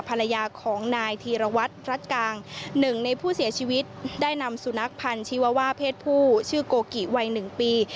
ภรรยาของนายธีรวัตรรัฐกางหนึ่งในผู้เสียชีวิตได้นำสุนัขพันธ์ชีวว่าเพศผู้ชื่อโกกิวัย๑ปี